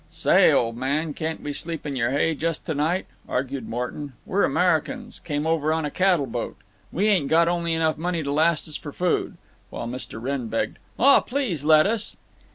"Say, old man, can't we sleep in your hay just to night?" argued Morton. "We're Americans. Came over on a cattle boat. We ain't got only enough money to last us for food," while Mr. Wrenn begged, "Aw, please let us."